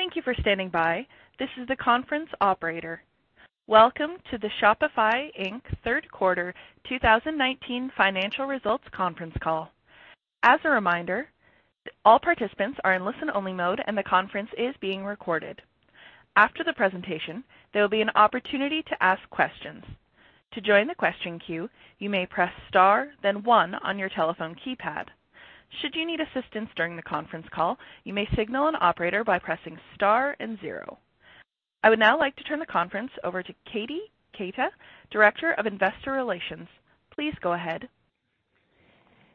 Thank you for standing by. Welcome to the Shopify Inc Q3 2019 Financial Results Conference Call. As a reminder all participants are in listen only mode and the conference is being recorded. After the presentation there will be an opportunity to ask questions. To join the question queue, you may press star then one on your telephone keypad. Should you need assistance during the conference call you may signal the operator by press star and zero. I would now like to turn the conference over to Katie Keita, Director of Investor Relations. Please go ahead.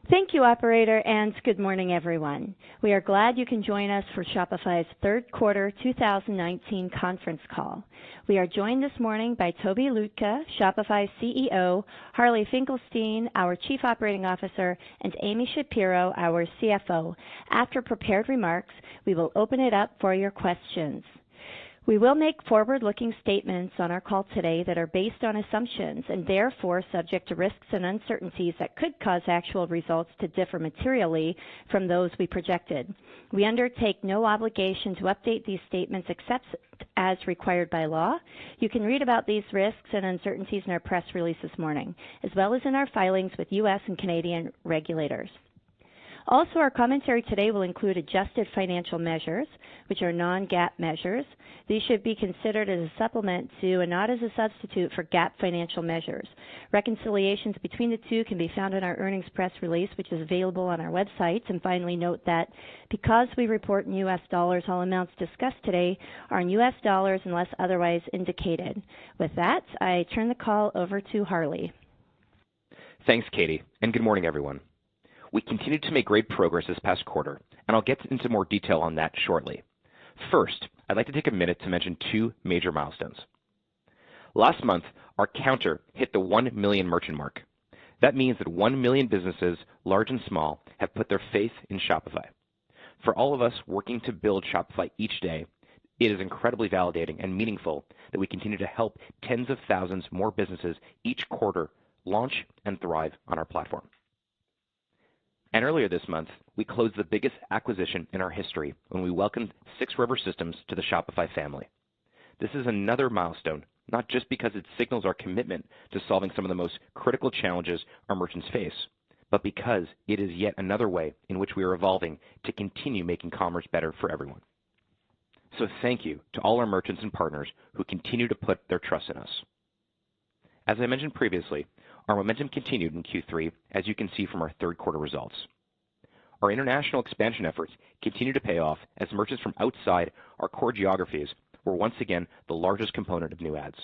Thank you, operator, and good morning, everyone. We are glad you can join us for Shopify's Q3 2019 Conference Call. We are joined this morning by Tobi Lütke, Shopify's CEO, Harley Finkelstein, our Chief Operating Officer, and Amy Shapero, our CFO. After prepared remarks, we will open it up for your questions. We will make forward-looking statements on our call today that are based on assumptions and therefore subject to risks and uncertainties that could cause actual results to differ materially from those we projected. We undertake no obligation to update these statements except as required by law. You can read about these risks and uncertainties in our press release this morning, as well as in our filings with U.S. and Canadian regulators. Our commentary today will include adjusted financial measures, which are non-GAAP measures. These should be considered as a supplement to, and not as a substitute for, GAAP financial measures. Reconciliations between the two can be found in our earnings press release, which is available on our website. Finally, note that because we report in U.S. dollars, all amounts discussed today are in U.S. dollars unless otherwise indicated. With that, I turn the call over to Harley. Thanks, Katie. Good morning, everyone. We continued to make great progress this past quarter, and I'll get into more detail on that shortly. First, I'd like to take a minute to mention two major milestones. Last month, our counter hit the 1 million merchant mark. That means that 1 million businesses, large and small, have put their faith in Shopify. For all of us working to build Shopify each day, it is incredibly validating and meaningful that we continue to help tens of thousands more businesses each quarter launch and thrive on our platform. Earlier this month, we closed the biggest acquisition in our history when we welcomed 6 River Systems to the Shopify family. This is another milestone, not just because it signals our commitment to solving some of the most critical challenges our merchants face, but because it is yet another way in which we are evolving to continue making commerce better for everyone. Thank you to all our merchants and partners who continue to put their trust in us. As I mentioned previously, our momentum continued in Q3, as you can see from our Q3 results. Our international expansion efforts continue to pay off as merchants from outside our core geographies were once again the largest component of new ads.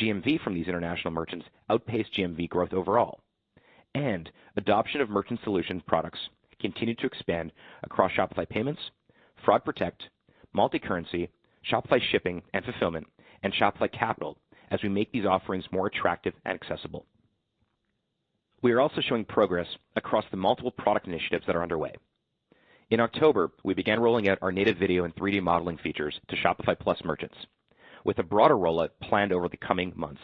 GMV from these international merchants outpaced GMV growth overall. Adoption of merchant solutions products continued to expand across Shopify Payments, Fraud Protect, Multicurrency, Shopify Shipping and Fulfillment, and Shopify Capital as we make these offerings more attractive and accessible. We are also showing progress across the multiple product initiatives that are underway. In October, we began rolling out our native video and 3D modeling features to Shopify Plus merchants, with a broader rollout planned over the coming months,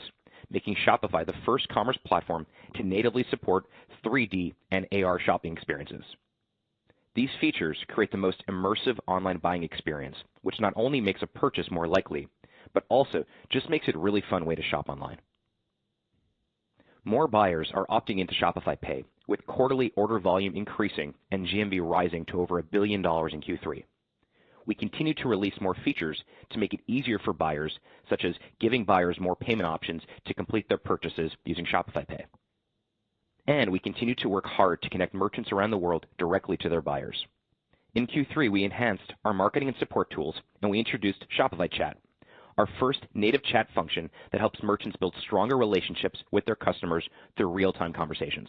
making Shopify the first commerce platform to natively support 3D and AR shopping experiences. These features create the most immersive online buying experience, which not only makes a purchase more likely, but also just makes it a really fun way to shop online. More buyers are opting into Shopify Pay, with quarterly order volume increasing and GMV rising to over $1 billion in Q3. We continue to release more features to make it easier for buyers, such as giving buyers more payment options to complete their purchases using Shopify Pay. We continue to work hard to connect merchants around the world directly to their buyers. In Q3, we enhanced our marketing and support tools. We introduced Shopify Chat, our first native chat function that helps merchants build stronger relationships with their customers through real-time conversations.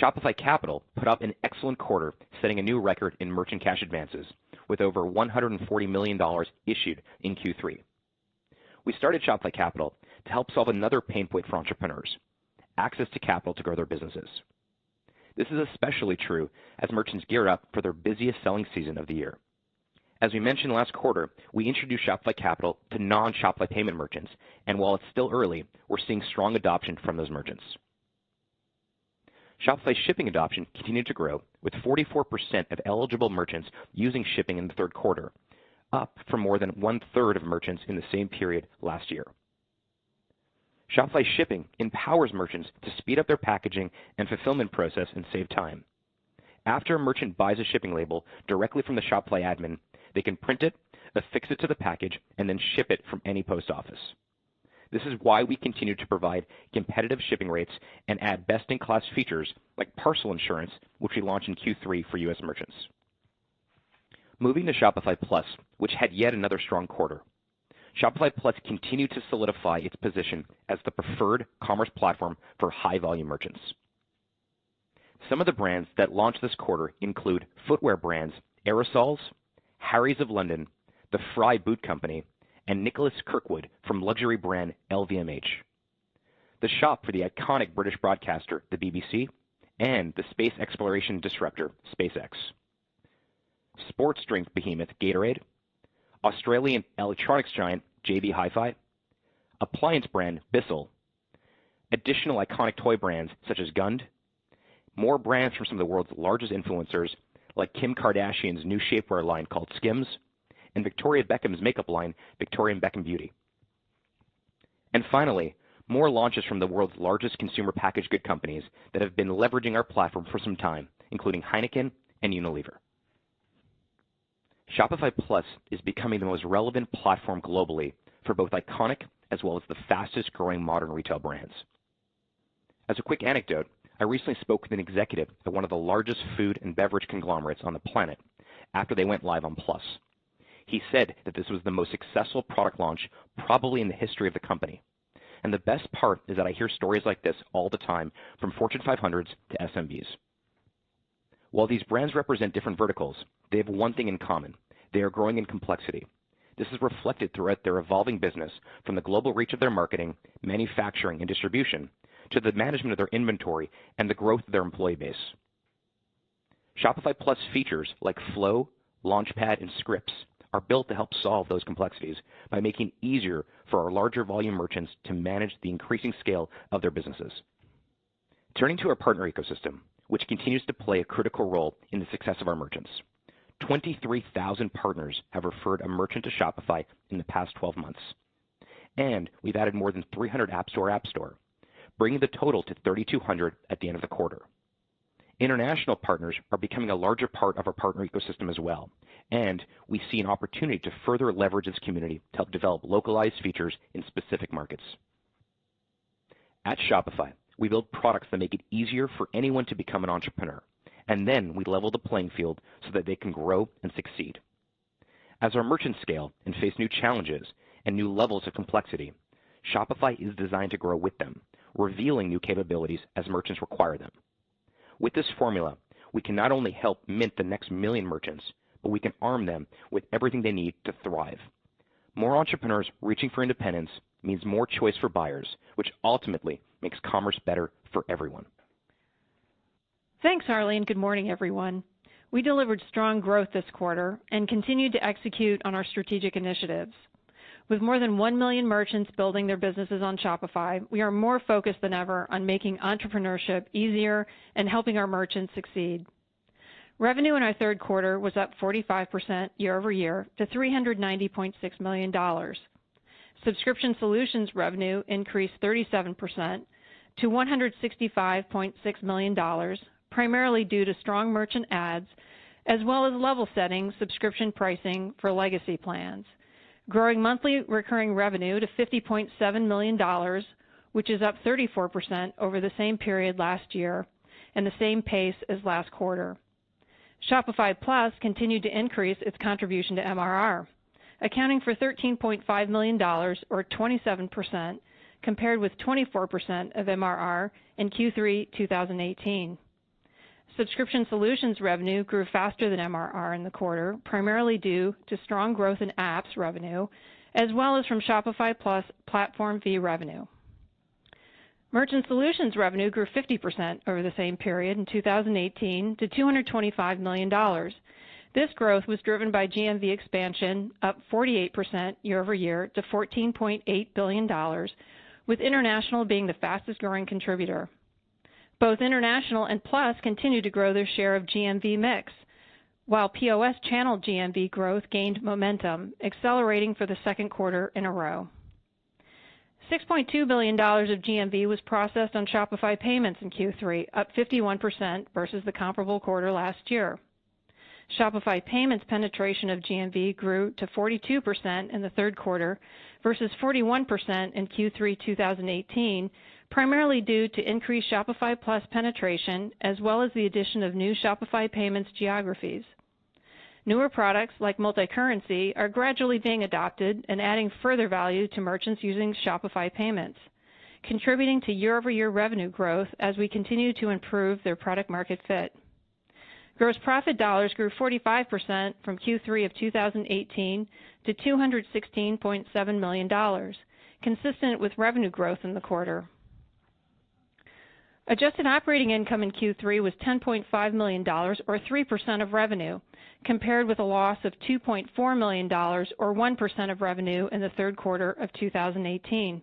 Shopify Capital put up an excellent quarter, setting a new record in merchant cash advances, with over $140 million issued in Q3. We started Shopify Capital to help solve another pain point for entrepreneurs, access to capital to grow their businesses. This is especially true as merchants gear up for their busiest selling season of the year. As we mentioned last quarter, we introduced Shopify Capital to non-Shopify Payments merchants. While it's still early, we're seeing strong adoption from those merchants. Shopify Shipping adoption continued to grow, with 44% of eligible merchants using shipping in the Q3, up from more than 1/3 of merchants in the same period last year. Shopify Shipping empowers merchants to speed up their packaging and fulfillment process and save time. After a merchant buys a shipping label directly from the Shopify admin, they can print it, affix it to the package, and then ship it from any post office. This is why we continue to provide competitive shipping rates and add best-in-class features like parcel insurance, which we launched in Q3 for U.S. merchants. Moving to Shopify Plus, which had yet another strong quarter. Shopify Plus continued to solidify its position as the preferred commerce platform for high-volume merchants. Some of the brands that launched this quarter include footwear brands Aerosoles, Harrys of London, The Frye Company, and Nicholas Kirkwood from luxury brand LVMH. The shop for the iconic British broadcaster, the BBC, and the space exploration disruptor, SpaceX. Sports drink behemoth Gatorade, Australian electronics giant JB Hi-Fi, appliance brand Bissell. Additional iconic toy brands such as Gund, more brands from some of the world's largest influencers like Kim Kardashian's new shapewear line called Skims, and Victoria Beckham's makeup line, Victoria Beckham Beauty. Finally, more launches from the world's largest consumer packaged good companies that have been leveraging our platform for some time, including Heineken and Unilever. Shopify Plus is becoming the most relevant platform globally for both iconic as well as the fastest-growing modern retail brands. As a quick anecdote, I recently spoke with an executive at one of the largest food and beverage conglomerates on the planet after they went live on Plus. He said that this was the most successful product launch probably in the history of the company. The best part is that I hear stories like this all the time from Fortune 500s to SMBs. While these brands represent different verticals, they have one thing in common. They are growing in complexity. This is reflected throughout their evolving business from the global reach of their marketing, manufacturing, and distribution to the management of their inventory and the growth of their employee base. Shopify Plus features like Flow, Launchpad, and Scripts are built to help solve those complexities by making it easier for our larger volume merchants to manage the increasing scale of their businesses. Turning to our partner ecosystem, which continues to play a critical role in the success of our merchants. 23,000 partners have referred a merchant to Shopify in the past 12 months, and we've added more than 300 App Store, bringing the total to 3,200 at the end of the quarter. International partners are becoming a larger part of our partner ecosystem as well, and we see an opportunity to further leverage this community to help develop localized features in specific markets. At Shopify, we build products that make it easier for anyone to become an entrepreneur, and then we level the playing field so that they can grow and succeed. As our merchants scale and face new challenges and new levels of complexity, Shopify is designed to grow with them, revealing new capabilities as merchants require them. With this formula, we can not only help mint the next million merchants, but we can arm them with everything they need to thrive. More entrepreneurs reaching for independence means more choice for buyers, which ultimately makes commerce better for everyone. Thanks, Harley. Good morning, everyone. We delivered strong growth this quarter and continued to execute on our strategic initiatives. With more than 1 million merchants building their businesses on Shopify, we are more focused than ever on making entrepreneurship easier and helping our merchants succeed. Revenue in our third quarter was up 45% year-over-year to $390.6 million. Subscription solutions revenue increased 37% to $165.6 million, primarily due to strong merchant adds, as well as level setting subscription pricing for legacy plans, growing monthly recurring revenue to $50.7 million, which is up 34% over the same period last year and the same pace as last quarter. Shopify Plus continued to increase its contribution to MRR, accounting for $13.5 million or 27% compared with 24% of MRR in Q3 2018. Subscription solutions revenue grew faster than MRR in the quarter, primarily due to strong growth in apps revenue as well as from Shopify Plus platform fee revenue. Merchant solutions revenue grew 50% over the same period in 2018 to $225 million. This growth was driven by GMV expansion up 48% year-over-year to $14.8 billion, with international being the fastest-growing contributor. Both international and Plus continued to grow their share of GMV mix, while POS channel GMV growth gained momentum, accelerating for the second quarter in a row. $6.2 billion of GMV was processed on Shopify Payments in Q3, up 51% versus the comparable quarter last year. Shopify Payments penetration of GMV grew to 42% in the third quarter versus 41% in Q3 2018, primarily due to increased Shopify Plus penetration, as well as the addition of new Shopify Payments geographies. Newer products like Multi-currency are gradually being adopted and adding further value to merchants using Shopify Payments, contributing to year-over-year revenue growth as we continue to improve their product market fit. Gross profit dollars grew 45% from Q3 2018 to $216.7 million, consistent with revenue growth in the quarter. Adjusted operating income in Q3 was $10.5 million or 3% of revenue, compared with a loss of $2.4 million or 1% of revenue in the third quarter of 2018.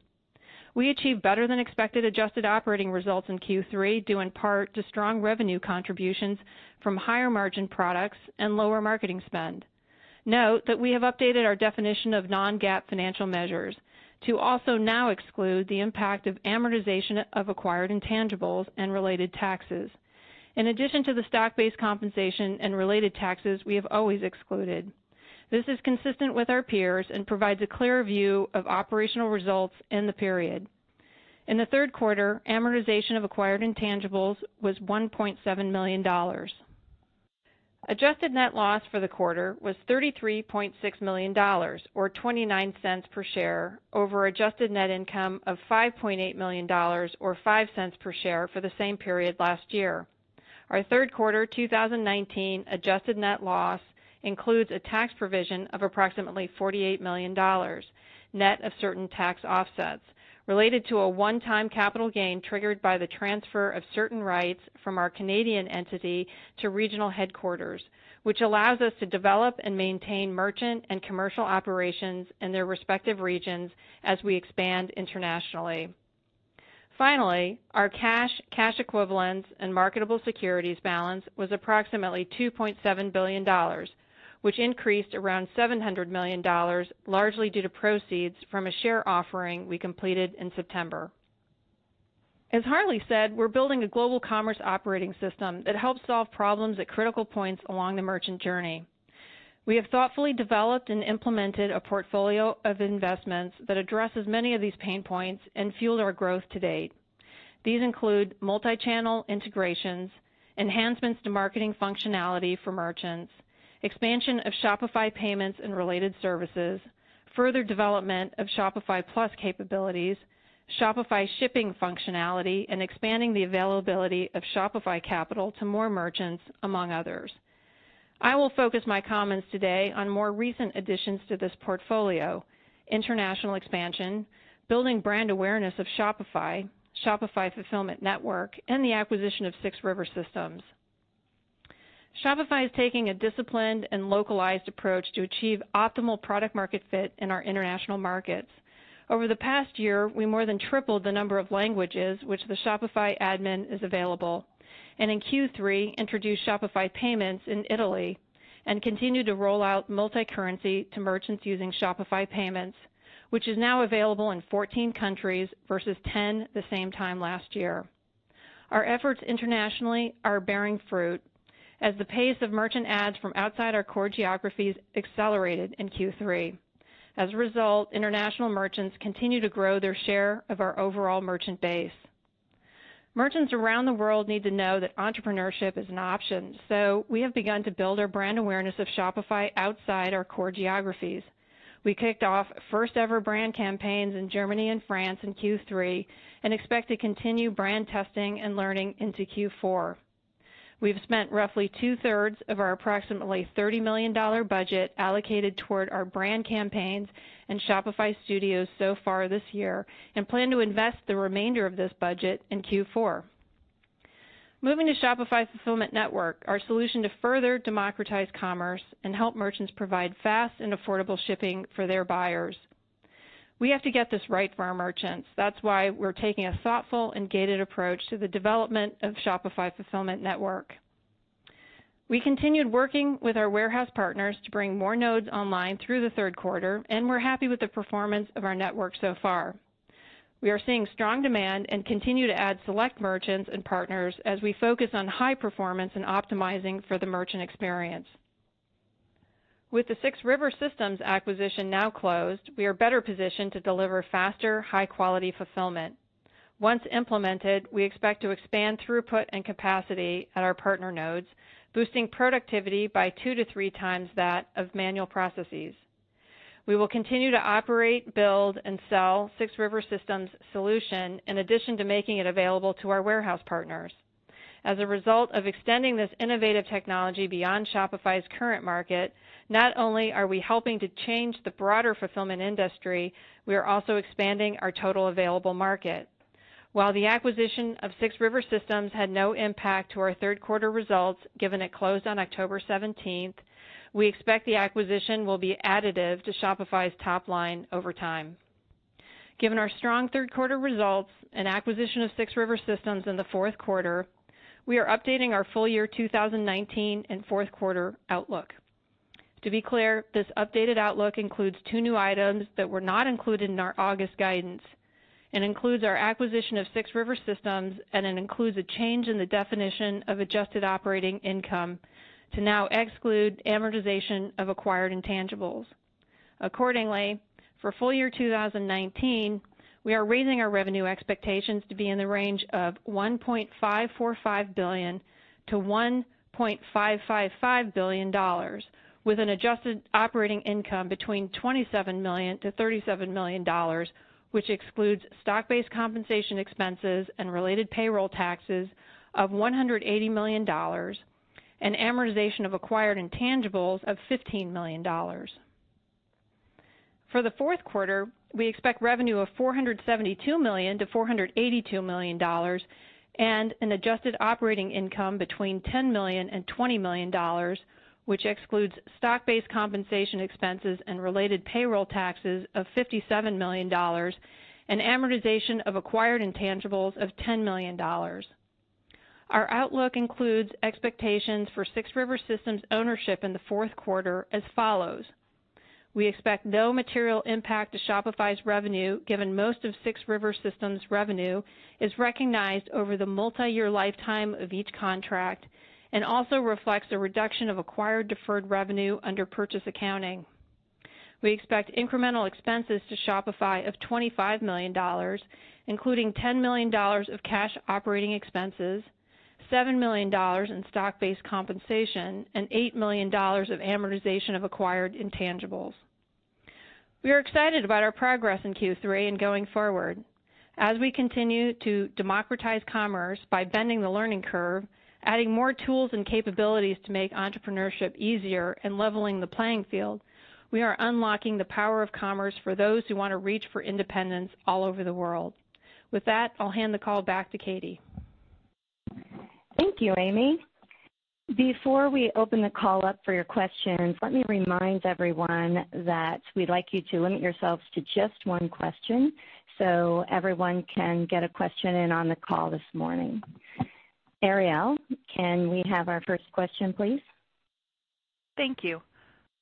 We achieved better-than-expected adjusted operating results in Q3, due in part to strong revenue contributions from higher-margin products and lower marketing spend. Note that we have updated our definition of non-GAAP financial measures to also now exclude the impact of amortization of acquired intangibles and related taxes, in addition to the stock-based compensation and related taxes we have always excluded. This is consistent with our peers and provides a clearer view of operational results in the period. In the Q3 amortization of acquired intangibles was $1.7 million. Adjusted net loss for the quarter was $33.6 million, or $0.29 per share over adjusted net income of $5.8 million or $0.05 per share for the same period last year. Our Q3 2019 adjusted net loss includes a tax provision of approximately $48 million, net of certain tax offsets, related to a one-time capital gain triggered by the transfer of certain rights from our Canadian entity to regional headquarters, which allows us to develop and maintain merchant and commercial operations in their respective regions as we expand internationally. Our cash equivalents and marketable securities balance was approximately $2.7 billion, which increased around $700 million, largely due to proceeds from a share offering we completed in September. As Harley said, we're building a global commerce operating system that helps solve problems at critical points along the merchant journey. We have thoughtfully developed and implemented a portfolio of investments that addresses many of these pain points and fueled our growth to date. These include multi-channel integrations, enhancements to marketing functionality for merchants, expansion of Shopify Payments and related services, further development of Shopify Plus capabilities, Shopify shipping functionality, and expanding the availability of Shopify Capital to more merchants, among others. I will focus my comments today on more recent additions to this portfolio, international expansion, building brand awareness of Shopify Fulfillment Network, and the acquisition of 6 River Systems. Shopify is taking a disciplined and localized approach to achieve optimal product market fit in our international markets. Over the past year, we more than tripled the number of languages which the Shopify admin is available, and in Q3 introduced Shopify Payments in Italy and continued to roll out multi-currency to merchants using Shopify Payments, which is now available in 14 countries versus 10 the same time last year. Our efforts internationally are bearing fruit as the pace of merchant adds from outside our core geographies accelerated in Q3. As a result, international merchants continue to grow their share of our overall merchant base. Merchants around the world need to know that entrepreneurship is an option, so we have begun to build our brand awareness of Shopify outside our core geographies. We kicked off first-ever brand campaigns in Germany and France in Q3 and expect to continue brand testing and learning into Q4. We've spent roughly two-thirds of our approximately $30 million budget allocated toward our brand campaigns and Shopify Studios so far this year and plan to invest the remainder of this budget in Q4. Moving to Shopify Fulfillment Network, our solution to further democratize commerce and help merchants provide fast and affordable shipping for their buyers. We have to get this right for our merchants. That's why we're taking a thoughtful and gated approach to the development of Shopify Fulfillment Network. We continued working with our warehouse partners to bring more nodes online through the Q3, and we're happy with the performance of our network so far. We are seeing strong demand and continue to add select merchants and partners as we focus on high performance and optimizing for the merchant experience. With the 6 River Systems acquisition now closed, we are better positioned to deliver faster, high-quality fulfillment. Once implemented, we expect to expand throughput and capacity at our partner nodes, boosting productivity by two to three times that of manual processes. We will continue to operate, build, and sell 6 River Systems' solution in addition to making it available to our warehouse partners. As a result of extending this innovative technology beyond Shopify's current market, not only are we helping to change the broader fulfillment industry, we are also expanding our total available market. While the acquisition of 6 River Systems had no impact to our third quarter results, given it closed on October 17th, we expect the acquisition will be additive to Shopify's top line over time. Given our strong Q3 results and acquisition of 6 River Systems in the Q4, we are updating our full year 2019 and Q4 outlook. To be clear, this updated outlook includes two new items that were not included in our August guidance and includes our acquisition of 6 River Systems, and it includes a change in the definition of adjusted operating income to now exclude amortization of acquired intangibles. For full year 2019, we are raising our revenue expectations to be in the range of $1.545 billion-$1.555 billion with an adjusted operating income between $27 million-$37 million, which excludes stock-based compensation expenses and related payroll taxes of $180 million and amortization of acquired intangibles of $15 million. For the Q4, we expect revenue of $472 million-$482 million and an adjusted operating income between $10 million and $20 million, which excludes stock-based compensation expenses and related payroll taxes of $57 million and amortization of acquired intangibles of $10 million. Our outlook includes expectations for 6 River Systems' ownership in the Q4 as follows. We expect no material impact to Shopify's revenue, given most of 6 River Systems' revenue is recognized over the multiyear lifetime of each contract and also reflects a reduction of acquired deferred revenue under purchase accounting. We expect incremental expenses to Shopify of $25 million, including $10 million of cash operating expenses, $7 million in stock-based compensation, and $8 million of amortization of acquired intangibles. We are excited about our progress in Q3 and going forward. As we continue to democratize commerce by bending the learning curve, adding more tools and capabilities to make entrepreneurship easier, and leveling the playing field, we are unlocking the power of commerce for those who want to reach for independence all over the world. With that, I'll hand the call back to Katie. Thank you, Amy. Before we open the call up for your questions, let me remind everyone that we'd like you to limit yourselves to just one question so everyone can get a question in on the call this morning. Ariel, can we have our first question, please? Thank you.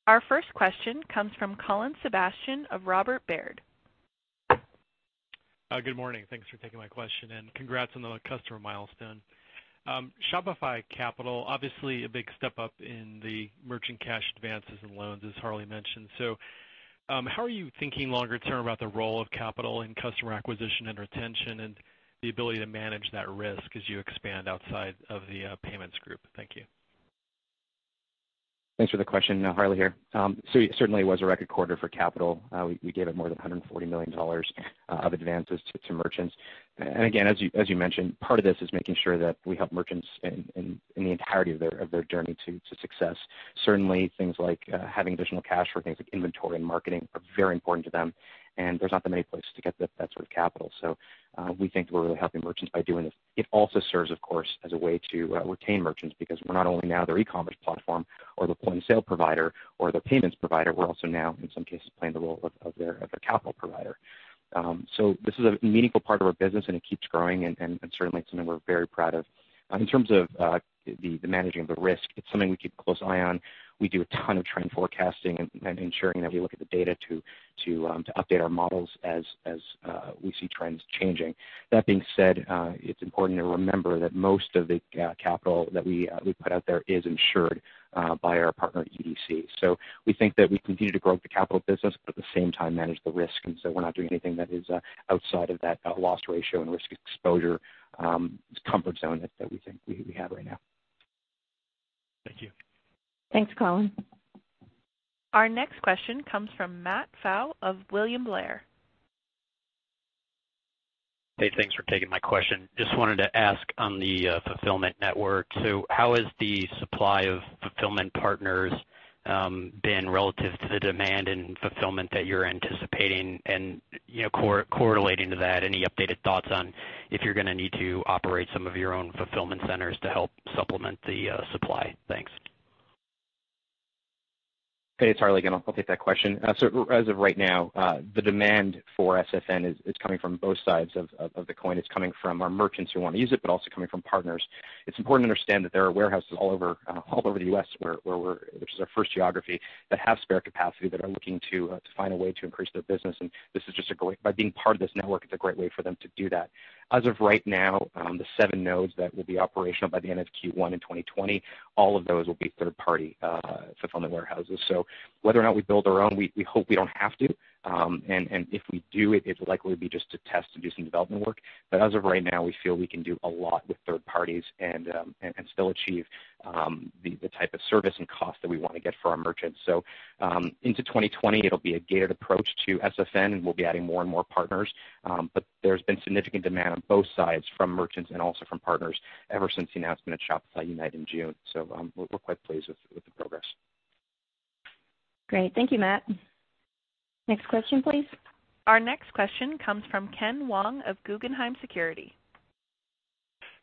Our first question comes from Colin Sebastian of Robert Baird. Good morning. Thanks for taking my question. Congrats on the customer milestone. Shopify Capital, obviously a big step up in the merchant cash advances and loans, as Harley mentioned. How are you thinking longer term about the role of capital in customer acquisition and retention and the ability to manage that risk as you expand outside of the payments group? Thank you. Thanks for the question. No, Harley here. It certainly was a record quarter for Shopify Capital. We gave out more than $140 million of advances to merchants. Again, as you mentioned, part of this is making sure that we help merchants in the entirety of their journey to success. Certainly things like having additional cash for things like inventory and marketing are very important to them, and there's not that many places to get that sort of capital. We think we're really helping merchants by doing this. It also serves, of course, as a way to retain merchants because we're not only now their e-commerce platform or the point-of-sale provider or the payments provider, we're also now in some cases playing the role of their capital provider. This is a meaningful part of our business and it keeps growing and certainly it's something we're very proud of. In terms of the managing of the risk, it's something we keep a close eye on. We do a ton of trend forecasting and ensuring that we look at the data to update our models as we see trends changing. That being said, it's important to remember that most of the capital that we put out there is insured by our partner, EDC. We think that we continue to grow the capital business, but at the same time manage the risk, we're not doing anything that is outside of that loss ratio and risk exposure, comfort zone that we think we have right now. Thank you. Thanks, Colin. Our next question comes from Matt Pfau of William Blair. Hey, thanks for taking my question. Just wanted to ask on the Fulfillment Network, how has the supply of Fulfillment partners been relative to the demand and fulfillment that you're anticipating and, you know, correlating to that, any updated thoughts on if you're gonna need to operate some of your own Fulfillment Centers to help supplement the supply? Thanks. Hey, it's Harley again. I'll take that question. As of right now, the demand for SFN is coming from both sides of the coin. It's coming from our merchants who wanna use it, but also coming from partners. It's important to understand that there are warehouses all over the U.S. which is our first geography, that have spare capacity that are looking to find a way to increase their business. By being part of this network, it's a great way for them to do that. As of right now, the seven nodes that will be operational by the end of Q1 in 2020, all of those will be third-party fulfillment warehouses. Whether or not we build our own, we hope we don't have to. If we do, it'll likely be just to test and do some development work. As of right now, we feel we can do a lot with third parties and still achieve the type of service and cost that we wanna get for our merchants. Into 2020, it'll be a gated approach to SFN, and we'll be adding more and more partners. There's been significant demand on both sides from merchants and also from partners ever since the announcement at Shopify Unite in June. We're quite pleased with the progress. Great. Thank you, Matt. Next question, please. Our next question comes from Ken Wong of Guggenheim Securities.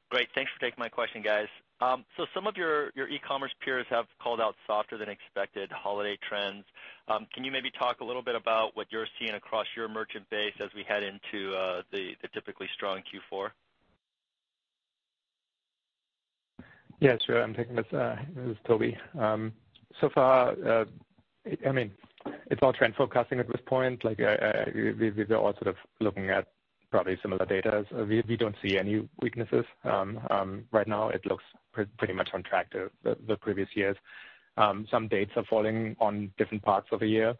Great. Thanks for taking my question, guys. Some of your e-commerce peers have called out softer than expected holiday trends. Can you maybe talk a little bit about what you're seeing across your merchant base as we head into the typically strong Q4? Sure. I'm taking this. This is Tobi. I mean, it's all trend forecasting at this point. Like, we're all sort of looking at probably similar data. We don't see any weaknesses. Right now it looks pretty much on track to the previous years. Some dates are falling on different parts of the year,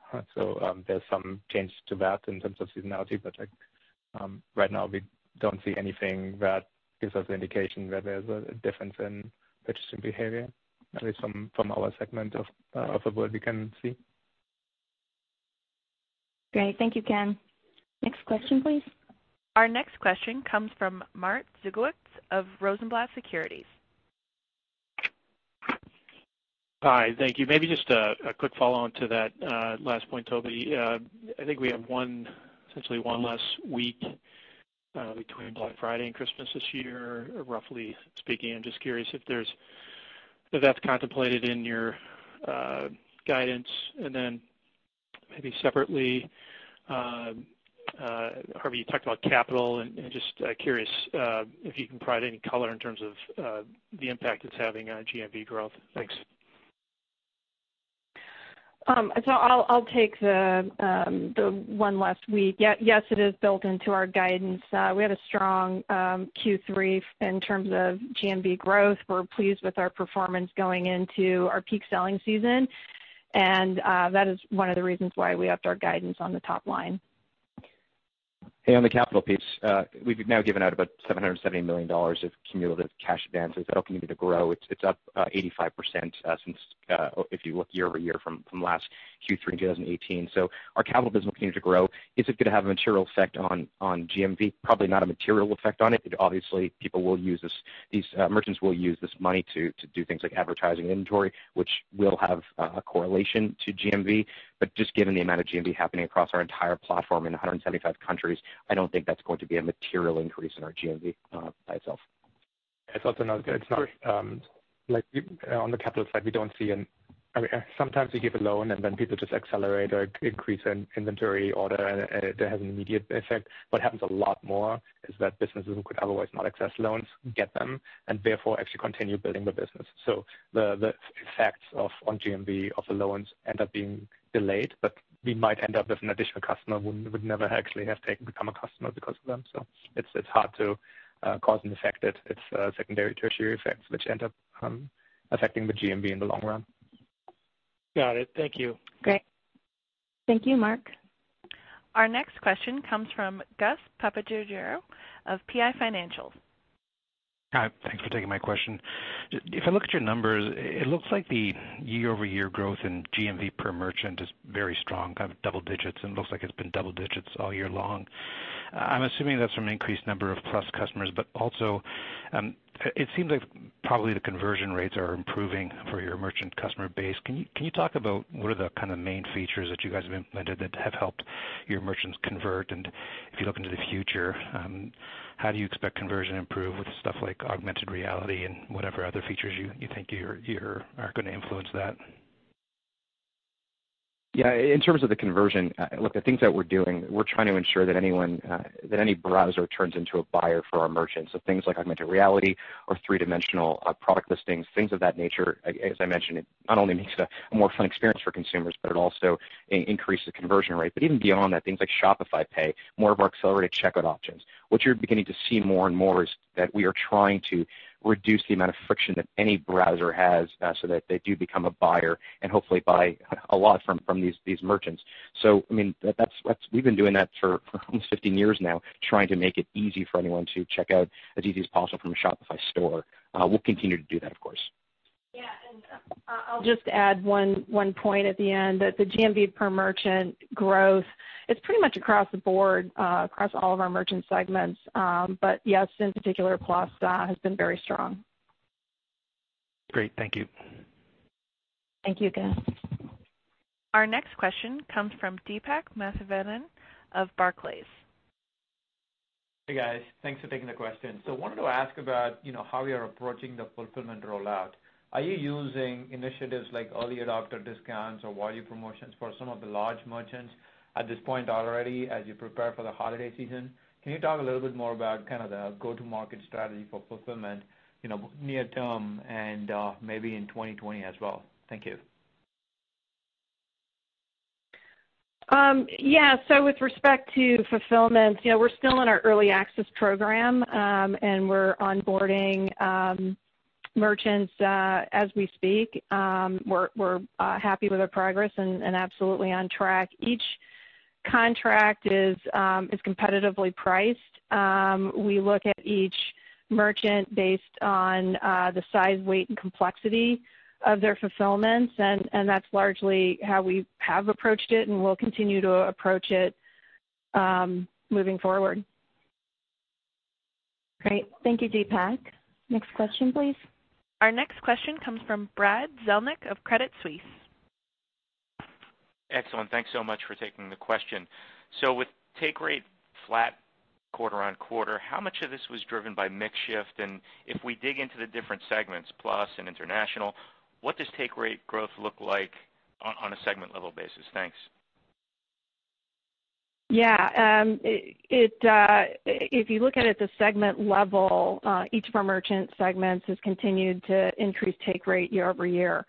there's some change to that in terms of seasonality. Like, right now we don't see anything that gives us indication that there's a difference in purchasing behavior, at least from our segment of the world we can see. Great. Thank you, Ken. Next question, please. Our next question comes from Mark Zgutowicz of Rosenblatt Securities. Hi, thank you. Maybe just a quick follow-on to that last point, Tobi. I think we have one, essentially one less week, between Black Friday and Christmas this year, roughly speaking. I'm just curious if that's contemplated in your guidance. Maybe separately, Harley, you talked about capital and just curious if you can provide any color in terms of the impact it's having on GMV growth. Thanks. I'll take the one last week. Yes, it is built into our guidance. We had a strong Q3 in terms of GMV growth. We're pleased with our performance going into our peak selling season, that is one of the reasons why we upped our guidance on the top line. Hey, on the capital piece, we've now given out about $770 million of cumulative cash advances. That continue to grow. It's up 85% since if you look year-over-year from last Q3 in 2018. Our capital business will continue to grow. Is it gonna have a material effect on GMV? Probably not a material effect on it. Obviously, people will use this, these merchants will use this money to do things like advertising and inventory, which will have a correlation to GMV. Just given the amount of GMV happening across our entire platform in 175 countries, I don't think that's going to be a material increase in our GMV by itself. It's also not, like, on the capital side, we don't see I mean, sometimes we give a loan, and then people just accelerate or increase in inventory order, and it has an immediate effect. What happens a lot more is that businesses who could otherwise not access loans get them, and therefore actually continue building the business. The effects of, on GMV of the loans end up being delayed, but we might end up with an additional customer who would never actually have become a customer because of them. It's hard to cause and effect it. It's secondary, tertiary effects which end up affecting the GMV in the long run. Got it. Thank you. Great. Thank you, Mark. Our next question comes from Gus Papageorgiou of PI Financial. Hi. Thanks for taking my question. If I look at your numbers, it looks like the year-over-year growth in GMV per merchant is very strong, kind of double digits, and it looks like it's been double digits all year long. I'm assuming that's from increased number of plus customers, but also, it seems like probably the conversion rates are improving for your merchant customer base. Can you talk about what are the kind of main features that you guys have implemented that have helped your merchants convert? If you look into the future, how do you expect conversion to improve with stuff like augmented reality and whatever other features you think you're gonna influence that? In terms of the conversion, look, the things that we're doing, we're trying to ensure that anyone, that any browser turns into a buyer for our merchants. Things like augmented reality or 3-dimensional product listings, things of that nature. As I mentioned, it not only makes a more fun experience for consumers, but it also increases the conversion rate. Even beyond that, things like Shop Pay, more of our accelerated checkout options. What you're beginning to see more and more is that we are trying to reduce the amount of friction that any browser has, so that they do become a buyer and hopefully buy a lot from these merchants. I mean, we've been doing that for almost 15 years now, trying to make it easy for anyone to check out as easy as possible from a Shopify store. We'll continue to do that, of course. Yeah. I'll just add one point at the end that the GMV per merchant growth, it's pretty much across the board, across all of our merchant segments. Yes, in particular, Plus has been very strong. Great. Thank you. Thank you, Gus. Our next question comes from Deepak Mathivanan of Barclays. Hey, guys. Thanks for taking the question. Wanted to ask about, you know, how you're approaching the fulfillment rollout. Are you using initiatives like early adopter discounts or value promotions for some of the large merchants at this point already as you prepare for the holiday season? Can you talk a little bit more about kind of the go-to-market strategy for fulfillment, you know, near term and maybe in 2020 as well? Thank you. Yeah. With respect to fulfillment, you know, we're still in our early access program, and we're onboarding merchants as we speak. We're happy with our progress and absolutely on track. Each contract is competitively priced. We look at each merchant based on the size, weight, and complexity of their fulfillments, and that's largely how we have approached it and will continue to approach it moving forward. Great. Thank you, Deepak. Next question, please. Our next question comes from Brad Zelnick of Credit Suisse. Excellent. Thanks so much for taking the question. With take rate flat quarter-on-quarter, how much of this was driven by mix shift? If we dig into the different segments, Plus and international, what does take rate growth look like on a segment level basis? Thanks. Yeah. If you look at it at the segment level, each of our merchant segments has continued to increase take rate year-over-year.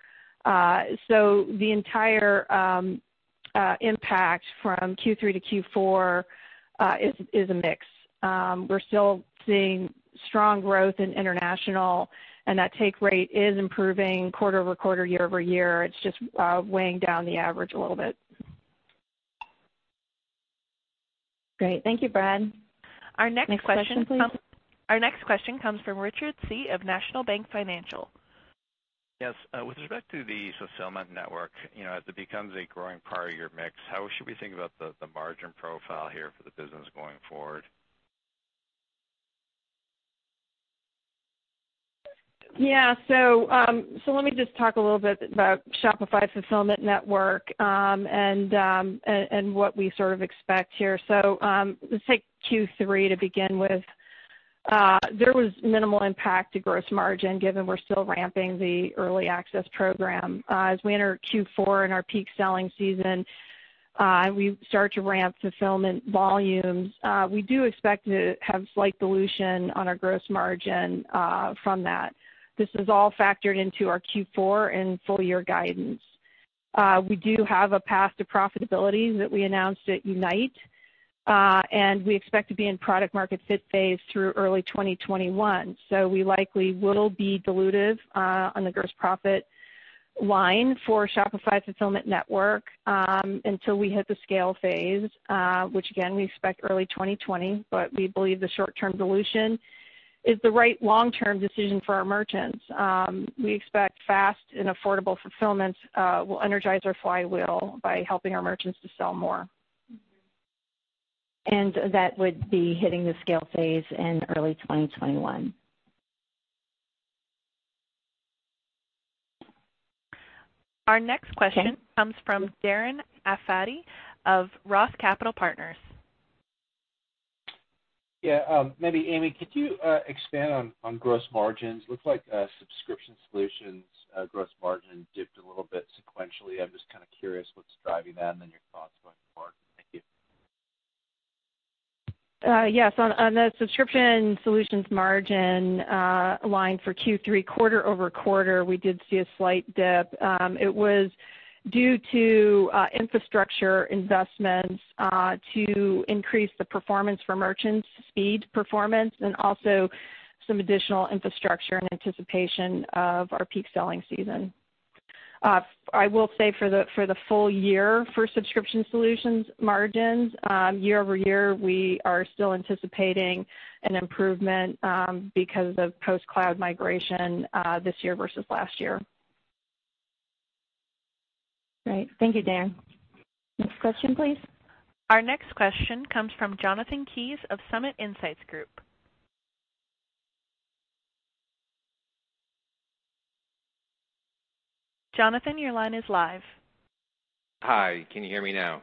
The entire impact from Q3 to Q4 is a mix. We're still seeing strong growth in international, and that take rate is improving quarter-over-quarter, year-over-year. It's just weighing down the average a little bit. Great. Thank you, Brad. Next question, please. Our next question comes from Richard Tse of National Bank Financial. Yes. With respect to the fulfillment network, you know, as it becomes a growing part of your mix, how should we think about the margin profile here for the business going forward? Yeah. Let me just talk a little bit about Shopify Fulfillment Network and what we sort of expect here. Let's take Q3 to begin with. There was minimal impact to gross margin, given we're still ramping the early access program. As we enter Q4 and our peak selling season and we start to ramp fulfillment volumes, we do expect to have slight dilution on our gross margin from that. This is all factored into our Q4 and full year guidance. We do have a path to profitability that we announced at Unite, and we expect to be in product market fit phase through early 2021. We likely will be dilutive on the gross profit line for Shopify Fulfillment Network until we hit the scale phase, which again, we expect early 2020. We believe the short-term dilution is the right long-term decision for our merchants. We expect fast and affordable fulfillments will energize our flywheel by helping our merchants to sell more. That would be hitting the scale phase in early 2021. Our next question comes from Darren Aftahi of ROTH Capital Partners. Yeah, maybe Amy, could you expand on gross margins? Looks like subscription solutions gross margin dipped a little bit sequentially. I'm just kind of curious what's driving that, and then your thoughts going forward. Thank you. Yes, on the subscription solutions margin line for Q3 quarter-over-quarter, we did see a slight dip. It was due to infrastructure investments to increase the performance for merchants, speed performance, and also some additional infrastructure in anticipation of our peak selling season. I will say for the full year for subscription solutions margins, year-over-year, we are still anticipating an improvement because of post-cloud migration this year versus last year. Great. Thank you, Darren. Next question, please. Our next question comes from Jonathan Kees of Summit Insights Group. Jonathan, your line is live. Hi. Can you hear me now?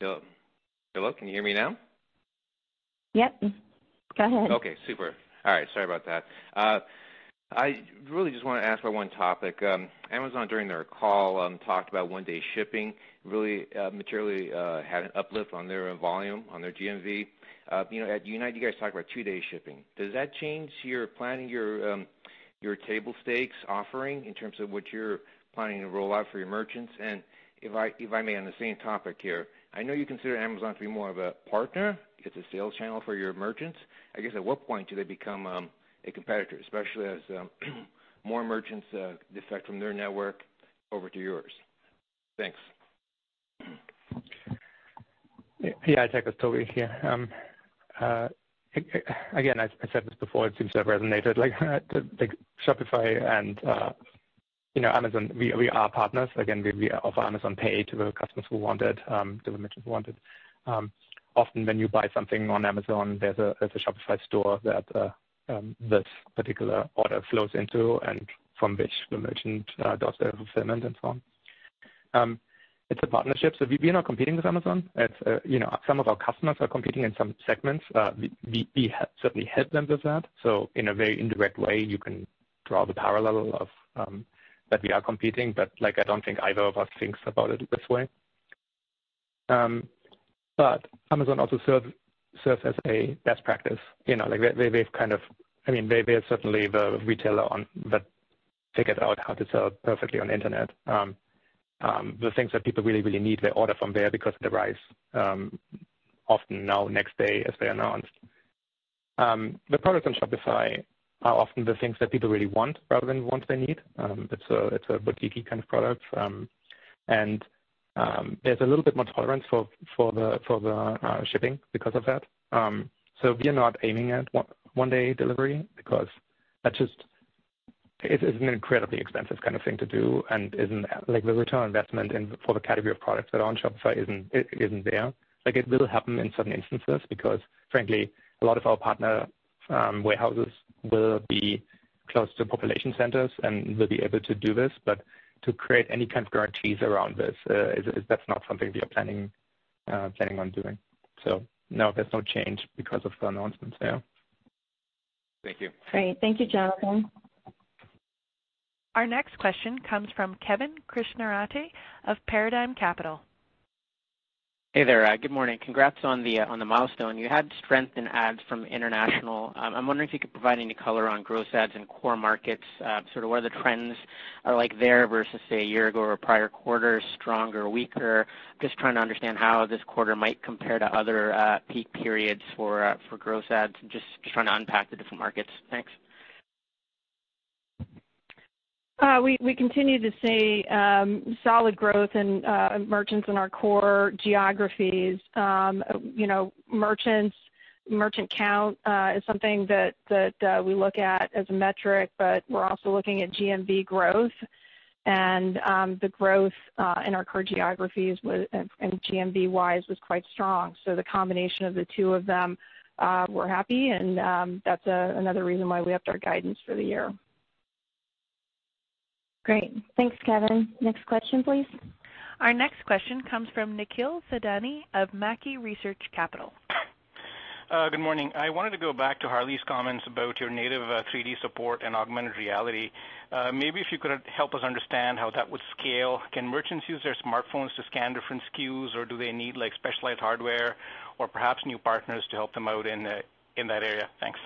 Hello? Hello, can you hear me now? Yep. Go ahead. Okay, super. All right. Sorry about that. I really just wanna ask about one topic. Amazon, during their call, talked about one-day shipping, really, materially, had an uplift on their volume, on their GMV. you know, at Unite, you guys talk about two-day shipping. Does that change your planning, your table stakes offering in terms of what you're planning to roll out for your merchants? If I, if I may, on the same topic here, I know you consider Amazon to be more of a partner. It's a sales channel for your merchants. I guess, at what point do they become, a competitor, especially as, more merchants, defect from their network over to yours? Thanks. Yeah, hi, tech. It's Tobi here. Again, I said this before, it seems to have resonated, like Shopify and, you know, Amazon, we are partners. Again, we offer Amazon Pay to the customers who want it, to the merchants who want it. Often when you buy something on Amazon, there's a Shopify store that this particular order flows into and from which the merchant does their fulfillment and so on. It's a partnership, so we are not competing with Amazon. It's, you know, some of our customers are competing in some segments. We certainly help them with that. In a very indirect way, you can draw the parallel of that we are competing, but, like, I don't think either of us thinks about it this way. Amazon also serves as a best practice. You know, like they've kind of I mean, they're certainly the retailer that figured out how to sell perfectly on the internet. The things that people really need, they order from there because it arrives, often now next day, as they announced. The products on Shopify are often the things that people really want rather than want they need. It's a, it's a boutique-y kind of product. There's a little bit more tolerance for the shipping because of that. We are not aiming at one-day delivery because that's just it is an incredibly expensive kind of thing to do, and isn't, like, the return on investment in, for the category of products that are on Shopify isn't there. Like, it will happen in some instances because frankly, a lot of our partner, warehouses will be close to population centers, and we'll be able to do this. To create any kind of guarantees around this, that's not something we are planning on doing. No, there's no change because of the announcements, yeah. Thank you. Great. Thank you, Jonathan. Our next question comes from Kevin Krishnaratne of Paradigm Capital. Hey there. Good morning. Congrats on the milestone. You had strength in ads from international. I'm wondering if you could provide any color on gross ads in core markets, sort of what are the trends are like there versus, say, a year ago or prior quarters, stronger or weaker. Just trying to understand how this quarter might compare to other peak periods for gross ads. Just trying to unpack the different markets. Thanks. We continue to see solid growth in merchants in our core geographies. You know, merchant count is something that we look at as a metric, but we're also looking at GMV growth. The growth in our core geographies and GMV-wise was quite strong. The combination of the two of them, we're happy, and that's another reason why we upped our guidance for the year. Great. Thanks, Kevin. Next question, please. Our next question comes from Nikhil Thadani of Mackie Research Capital. Good morning. I wanted to go back to Harley's comments about your native 3D support and augmented reality. Maybe if you could help us understand how that would scale. Can merchants use their smartphones to scan different SKUs, or do they need specialized hardware or perhaps new partners to help them out in that area? Thanks.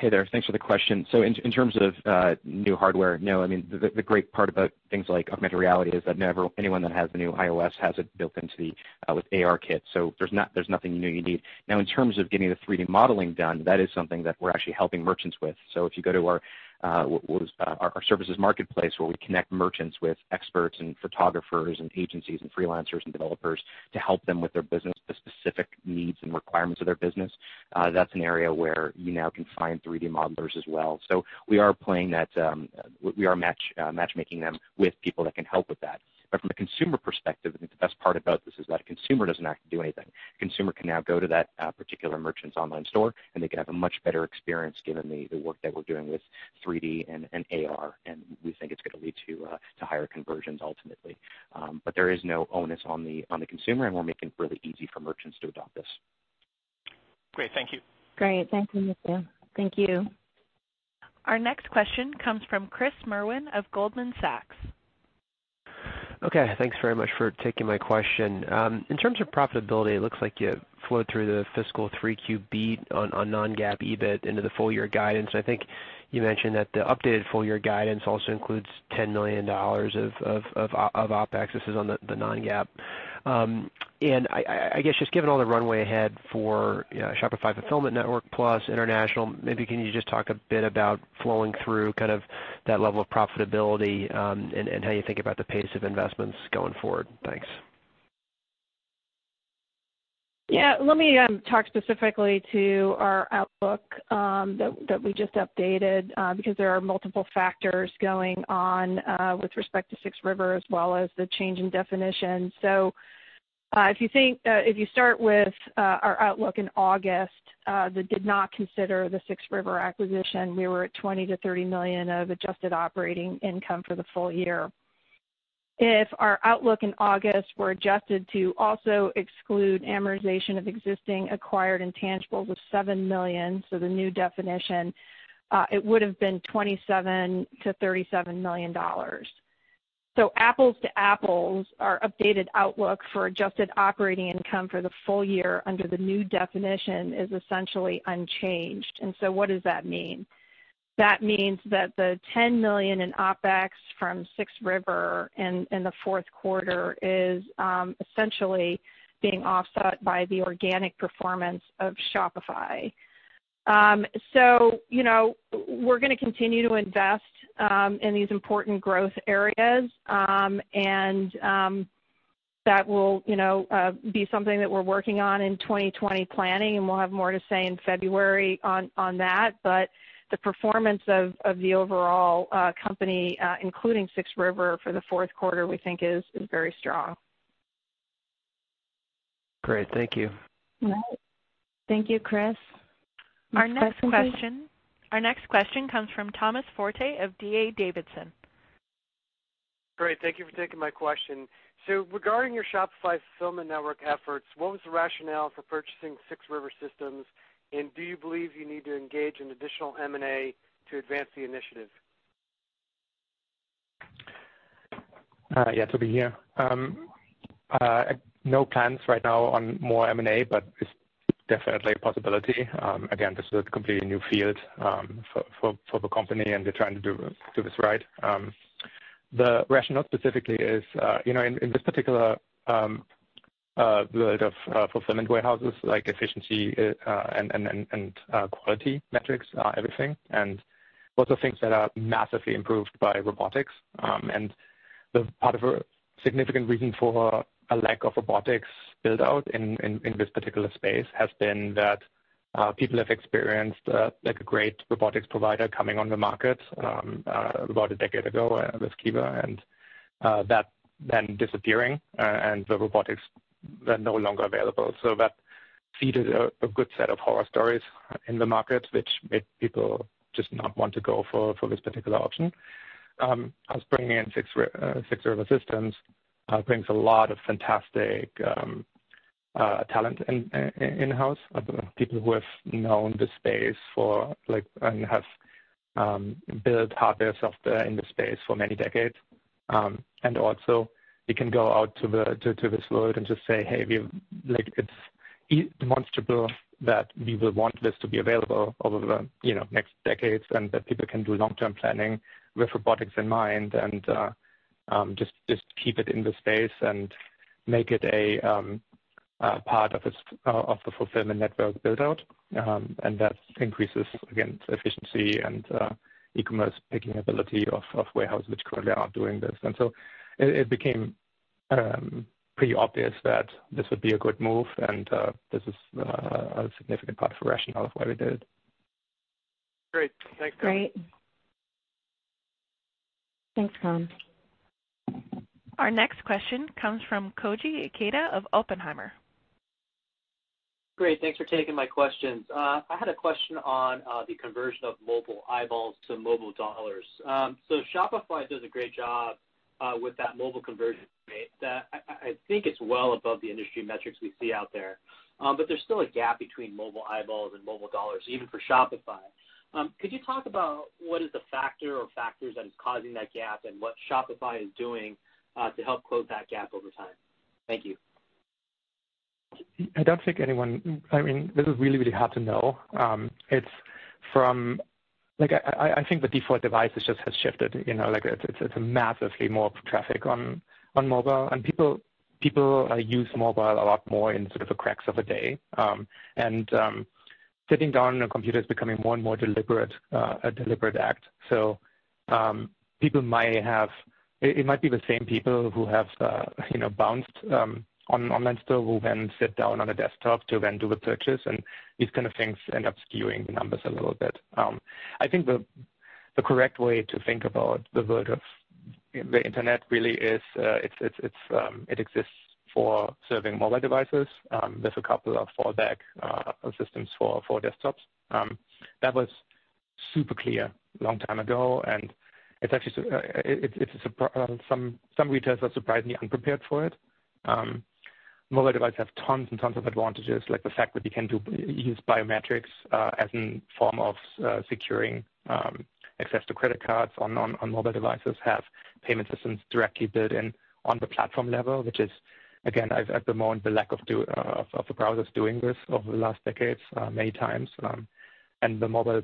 Hey there. Thanks for the question. In terms of new hardware, no, I mean, the great part about things like augmented reality is that anyone that has the new iOS has it built into with ARKit. There's nothing new you need. Now, in terms of getting the 3D modeling done, that is something that we're actually helping merchants with. If you go to our services marketplace, where we connect merchants with experts and photographers and agencies and freelancers and developers to help them with their business, the specific needs and requirements of their business, that's an area where you now can find 3D modelers as well. We are matchmaking them with people that can help with that. From a consumer perspective, I think the best part about this is that a consumer doesn't have to do anything. Consumer can now go to that particular merchant's online store, and they can have a much better experience given the work that we're doing with 3D and AR, and we think it's gonna lead to higher conversions ultimately. There is no onus on the consumer, and we're making it really easy for merchants to adopt this. Great. Thank you. Great. Thank you, Nikhil. Thank you. Our next question comes from Chris Merwin of Goldman Sachs. Okay. Thanks very much for taking my question. In terms of profitability, it looks like you flowed through the fiscal 3Q beat on non-GAAP EBIT into the full year guidance. I think you mentioned that the updated full year guidance also includes $10 million of OPEX. This is on the non-GAAP. I guess just given all the runway ahead for, you know, Shopify Fulfillment Network plus international, maybe can you just talk a bit about flowing through kind of that level of profitability, and how you think about the pace of investments going forward? Thanks. Let me talk specifically to our outlook that we just updated because there are multiple factors going on with respect to 6 River Systems as well as the change in definition. If you think, if you start with our outlook in August that did not consider the 6 River Systems acquisition, we were at $20 million-$30 million of adjusted operating income for the full year. If our outlook in August were adjusted to also exclude amortization of existing acquired intangibles of $7 million, the new definition, it would've been $27 million-$37 million. Apples to apples, our updated outlook for adjusted operating income for the full year under the new definition is essentially unchanged. What does that mean? That means that the $10 million in OPEX from 6 River in the fourth quarter is essentially being offset by the organic performance of Shopify. You know, we're gonna continue to invest in these important growth areas. That will, you know, be something that we're working on in 2020 planning, and we'll have more to say in February on that. The performance of the overall company, including 6 River for the fourth quarter, we think is very strong. Great. Thank you. All right. Thank you, Chris. Our next question. Our next question comes from Thomas Forte of D.A. Davidson. Great. Thank you for taking my question. Regarding your Shopify Fulfillment Network efforts, what was the rationale for purchasing 6 River Systems, and do you believe you need to engage in additional M&A to advance the initiative? Yeah, Tobi here. No plans right now on more M&A, but it's definitely a possibility. Again, this is a completely new field for the company, and we're trying to do this right. The rationale specifically is, you know, in this particular world of fulfillment warehouses, like efficiency and quality metrics are everything. Lots of things that are massively improved by robotics. The part of a significant reason for a lack of robotics build-out in this particular space has been that people have experienced like a great robotics provider coming on the market about a decade ago with Kiva and that then disappearing and the robotics were no longer available. That feed is a good set of horror stories in the market, which made people just not want to go for this particular option. Us bringing in 6 River Systems brings a lot of fantastic talent in-house. People who have known the space for like and have built hardware, software in this space for many decades. And also we can go out to this world and just say, "Hey, we've" like it's demonstrable that we will want this to be available over the, you know, next decades, and that people can do long-term planning with robotics in mind and just keep it in the space and make it a part of this of the fulfillment network build-out. That increases, again, efficiency and e-commerce picking ability of warehouses which currently aren't doing this. It became pretty obvious that this would be a good move and this is a significant part of the rationale of why we did it. Great. Thanks, Tob. Great. Thanks, Tom. Our next question comes from Koji Ikeda of Oppenheimer. Great. Thanks for taking my questions. I had a question on the conversion of mobile eyeballs to mobile dollars. Shopify does a great job with that mobile conversion rate that I think it's well above the industry metrics we see out there. There's still a gap between mobile eyeballs and mobile dollars, even for Shopify. Could you talk about what is the factor or factors that is causing that gap and what Shopify is doing to help close that gap over time? Thank you. I don't think anyone I mean, this is really, really hard to know. It's from Like I think the default devices just has shifted, you know. It's massively more traffic on mobile. People use mobile a lot more in sort of the cracks of a day. Sitting down on a computer is becoming more and more deliberate, a deliberate act. People might have It might be the same people who have, you know, bounced on an online store will then sit down on a desktop to then do the purchase, these kind of things end up skewing the numbers a little bit. I think the correct way to think about the world of the internet really is, it's it exists for serving mobile devices. There's a couple of fallback systems for desktops. Super clear long time ago, and it's actually some retailers are surprisingly unprepared for it. Mobile devices have tons and tons of advantages, like the fact that you can use biometrics as in form of securing access to credit cards on mobile devices, have payment systems directly built in on the platform level, which is again, at the moment, the lack of the browsers doing this over the last decades many times. The mobile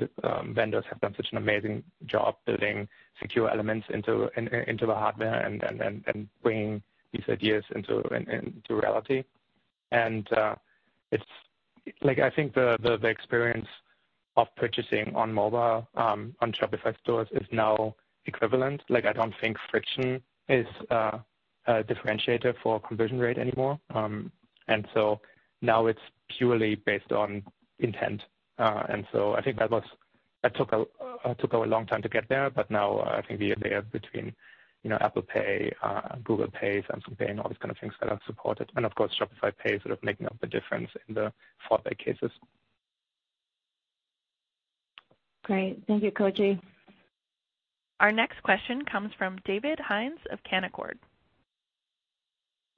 vendors have done such an amazing job building secure elements into the hardware and bringing these ideas into reality. Like, I think the experience of purchasing on mobile, on Shopify stores is now equivalent. Like, I don't think friction is a differentiator for conversion rate anymore. Now it's purely based on intent. I think that took a long time to get there, but now, I think we are there between, you know, Apple Pay, Google Pay, Samsung Pay, and all these kind of things that are supported. Of course, Shop Pay sort of making up the difference in the four pay cases. Great. Thank you, Koji. Our next question comes from David Hynes of Canaccord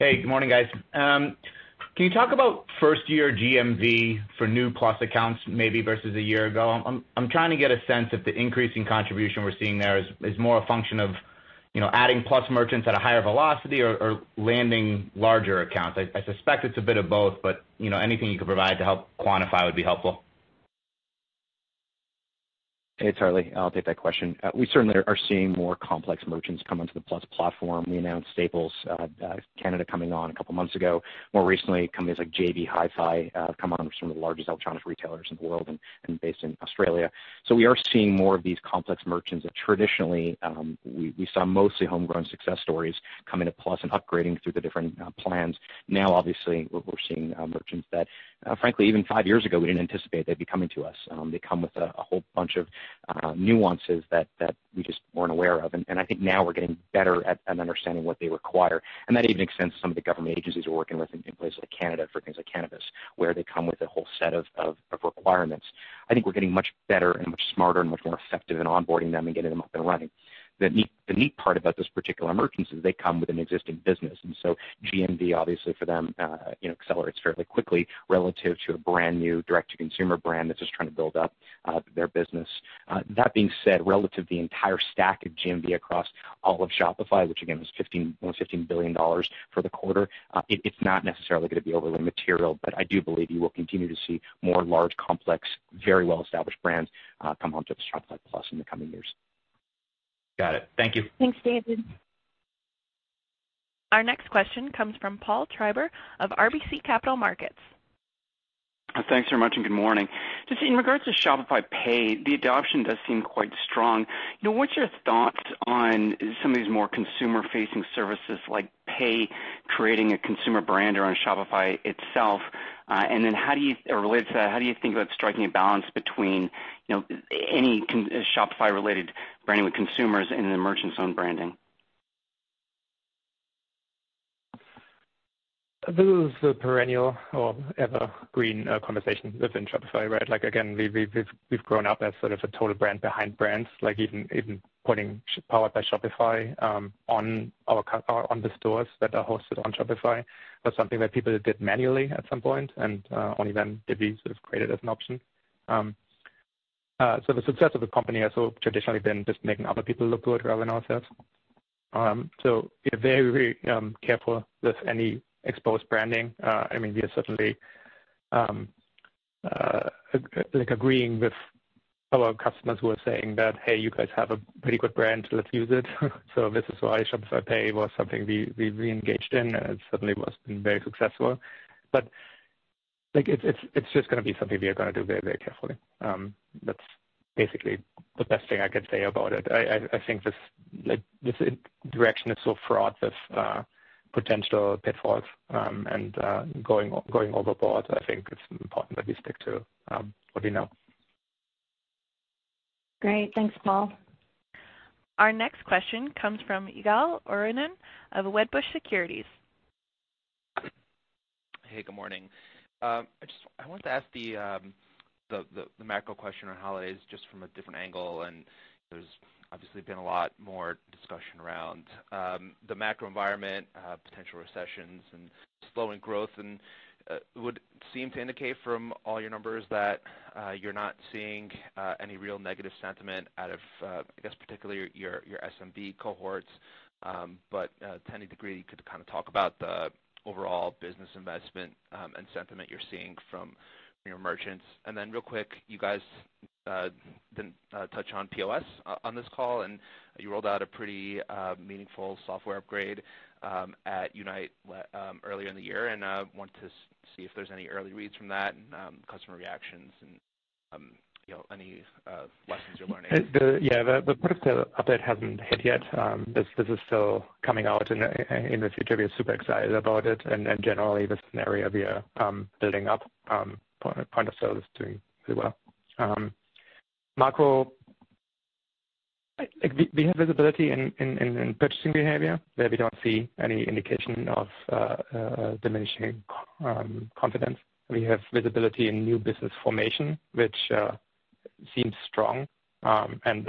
Genuity. Hey, good morning, guys. Can you talk about first year GMV for new Plus accounts maybe versus a year ago? I'm trying to get a sense if the increase in contribution we're seeing there is more a function of, you know, adding Plus merchants at a higher velocity or landing larger accounts. I suspect it's a bit of both, but, you know, anything you could provide to help quantify would be helpful. Hey, it's Harley. I'll take that question. We certainly are seeing more complex merchants come onto the Plus platform. We announced Staples Canada coming on a couple months ago. More recently, companies like JB Hi-Fi have come on, which are some of the largest electronics retailers in the world and based in Australia. We are seeing more of these complex merchants that traditionally we saw mostly homegrown success stories come into Plus and upgrading through the different plans. Obviously, we're seeing merchants that frankly, even five years ago, we didn't anticipate they'd be coming to us. They come with a whole bunch of nuances that we just weren't aware of. I think now we're getting better at understanding what they require. That even extends to some of the government agencies we're working with in places like Canada for things like cannabis, where they come with a whole set of requirements. I think we're getting much better and much smarter and much more effective in onboarding them and getting them up and running. The neat part about those particular merchants is they come with an existing business. GMV obviously for them, you know, accelerates fairly quickly relative to a brand-new direct-to-consumer brand that's just trying to build up their business. That being said, relative to the entire stack of GMV across all of Shopify, which again was $15 billion, almost $15 billion for the quarter, it's not necessarily gonna be overly material. I do believe you will continue to see more large, complex, very well-established brands, come onto the Shopify Plus in the coming years. Got it. Thank you. Thanks, David. Our next question comes from Paul Treiber of RBC Capital Markets. Thanks very much. Good morning. Just in regards to Shop Pay, the adoption does seem quite strong. You know, what's your thoughts on some of these more consumer-facing services like Pay creating a consumer brand around Shopify itself? Or related to that, how do you think about striking a balance between, you know, any Shopify-related branding with consumers and the merchant's own branding? This is the perennial or evergreen conversation within Shopify, right? Like again, we've grown up as sort of a total brand behind brands, like even putting Powered by Shopify on our stores that are hosted on Shopify. That's something that people did manually at some point, and only then did we sort of create it as an option. So the success of the company has sort of traditionally been just making other people look good rather than ourselves. So we are very, very careful with any exposed branding. I mean, we are certainly like agreeing with our customers who are saying that, "Hey, you guys have a pretty good brand. Let's use it. This is why Shop Pay was something we engaged in, and it certainly was, been very successful. Like, it's just gonna be something we are gonna do very, very carefully. That's basically the best thing I could say about it. I think this, like, this direction is so fraught with potential pitfalls, and going overboard. I think it's important that we stick to what we know. Great. Thanks, Paul. Our next question comes from Ygal Arounian of Wedbush Securities. Hey, good morning. I wanted to ask the macro question on holidays just from a different angle. There's obviously been a lot more discussion around the macro environment, potential recessions and slowing growth. It would seem to indicate from all your numbers that you're not seeing any real negative sentiment out of, I guess particularly your SMB cohorts. To any degree, you could kind of talk about the overall business investment and sentiment you're seeing from your merchants. Real quick, you guys didn't touch on POS on this call, and you rolled out a pretty meaningful software upgrade at Unite earlier in the year. I wanted to see if there's any early reads from that, customer reactions and, you know, any lessons you're learning? The, yeah, the point of sale update hasn't hit yet. This is still coming out in the future. We are super excited about it and generally this scenario we are building up, point of sale is doing really well. We have visibility in purchasing behavior where we don't see any indication of diminishing confidence. We have visibility in new business formation, which seems strong, and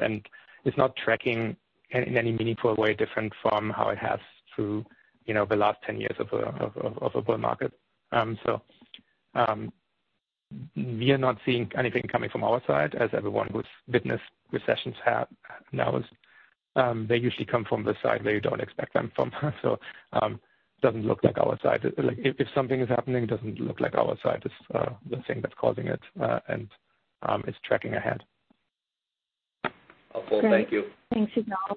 it's not tracking in any meaningful way different from how it has through, you know, the last 10 years of a bull market. We are not seeing anything coming from our side, as everyone who's witnessed recessions have noticed. They usually come from the side where you don't expect them from. Doesn't look like our side. Like if something is happening, it doesn't look like our side is the thing that's causing it, and it's tracking ahead. Okay, thank you. Thanks, Ygal.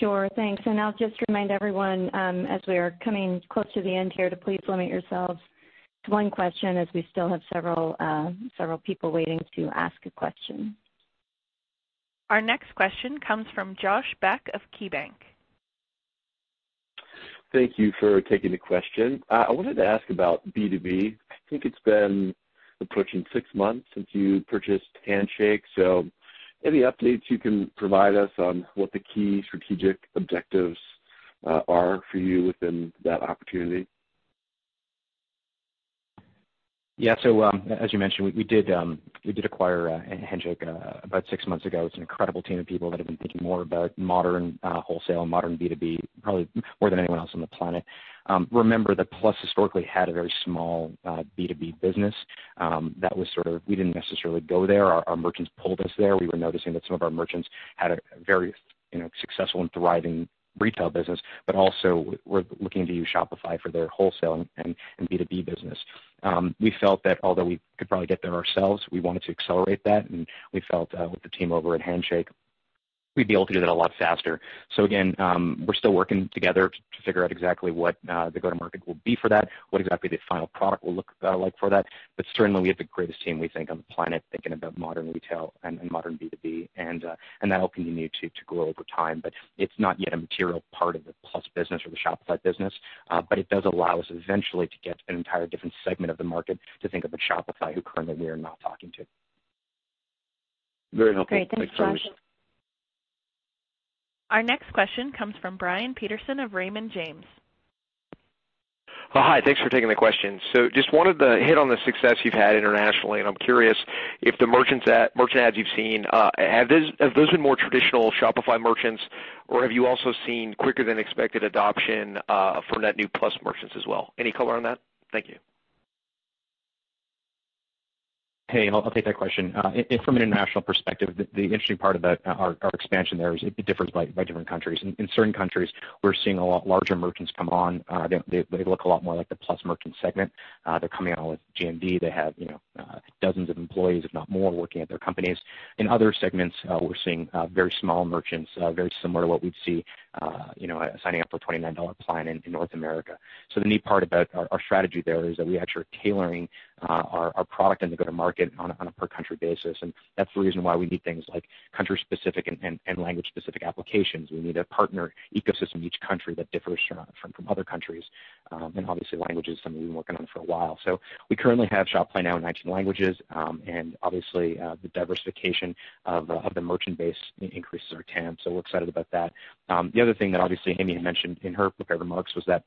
Sure, thanks. I'll just remind everyone, as we are coming close to the end here, to please limit yourselves to one question as we still have several people waiting to ask a question. Our next question comes from Josh Beck of KeyBanc Capital Markets. Thank you for taking the question. I wanted to ask about B2B. I think it's been approaching six months since you purchased Handshake. Any updates you can provide us on what the key strategic objectives are for you within that opportunity? Yeah. As you mentioned, we did acquire Handshake about six months ago. It's an incredible team of people that have been thinking more about modern wholesale and modern B2B probably more than anyone else on the planet. Remember that Plus historically had a very small B2B business, we didn't necessarily go there. Our merchants pulled us there. We were noticing that some of our merchants had a very, you know, successful and thriving retail business, but also were looking to use Shopify for their wholesale and B2B business. We felt that although we could probably get there ourselves, we wanted to accelerate that, and we felt with the team over at Handshake, we'd be able to do that a lot faster. Again, we're still working together to figure out exactly what the go-to-market will be for that, what exactly the final product will look like for that. Certainly we have the greatest team, we think, on the planet, thinking about modern retail and modern B2B and that'll continue to grow over time. It's not yet a material part of the Shopify Plus business or the Shopify business. It does allow us eventually to get an entire different segment of the market to think about Shopify who currently we are not talking to. Very helpful. Thanks so much. Great. Thanks, Josh. Our next question comes from Brian Peterson of Raymond James. Hi. Thanks for taking the question. Just wanted to hit on the success you've had internationally, and I'm curious if the merchant ads you've seen, have those been more traditional Shopify merchants, or have you also seen quicker than expected adoption for net new Plus merchants as well? Any color on that? Thank you. I'll take that question. From an international perspective, the interesting part about our expansion there is it differs by different countries. In certain countries, we're seeing a lot larger merchants come on. They look a lot more like the Plus merchant segment. They're coming on with GMV. They have, you know, dozens of employees, if not more, working at their companies. In other segments, we're seeing very small merchants, very similar to what we'd see, you know, signing up for a $29 plan in North America. The neat part about our strategy there is that we actually are tailoring our product and the go-to-market on a per country basis, and that's the reason why we need things like country specific and language specific applications. We need a partner ecosystem in each country that differs from other countries. Obviously language is something we've been working on for a while. We currently have Shop Pay now in 19 languages. Obviously the diversification of the merchant base increases our TAM, so we're excited about that. The other thing that obviously Amy had mentioned in her prepared remarks was that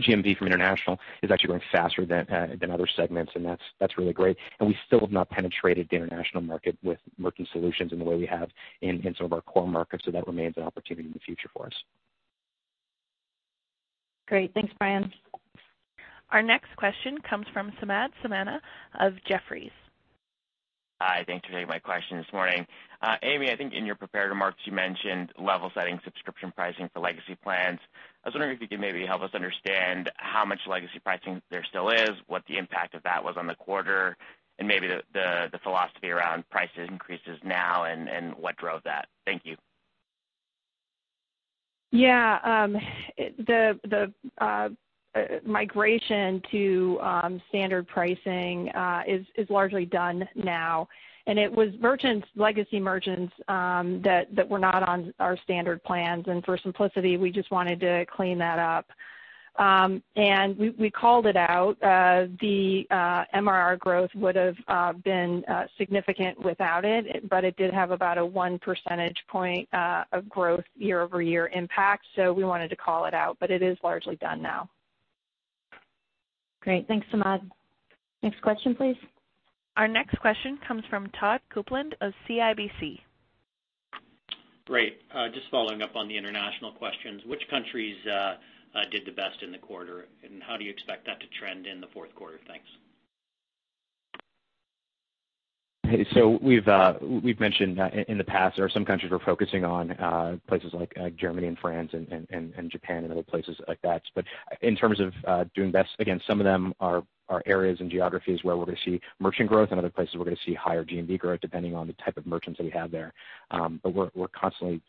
GMV from international is actually growing faster than other segments, and that's really great. We still have not penetrated the international market with merchant solutions in the way we have in some of our core markets, so that remains an opportunity in the future for us. Great. Thanks, Brian. Our next question comes from Samad Samana of Jefferies. Hi, thanks for taking my question this morning. Amy, I think in your prepared remarks, you mentioned level setting subscription pricing for legacy plans. I was wondering if you could maybe help us understand how much legacy pricing there still is, what the impact of that was on the quarter, and maybe the philosophy around prices increases now and what drove that. Thank you. Yeah, the migration to standard pricing is largely done now. It was merchants, legacy merchants, that were not on our standard plans. For simplicity, we just wanted to clean that up. We called it out. The MRR growth would've been significant without it, but it did have about a one percentage point of growth year-over-year impact. We wanted to call it out, but it is largely done now. Great. Thanks, Samad. Next question, please. Our next question comes from Todd Coupland of CIBC. Great. Just following up on the international questions. Which countries did the best in the quarter, and how do you expect that to trend in the Q4? Thanks. We've mentioned in the past, there are some countries we're focusing on, places like Germany and France and Japan and other places like that. In terms of doing best, again, some of them are areas in geographies where we're gonna see merchant growth. In other places, we're gonna see higher GMV growth, depending on the type of merchants that we have there. We're constantly